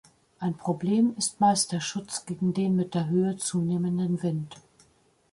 Ein Problem ist meist der Schutz gegen den mit der Höhe zunehmenden Wind.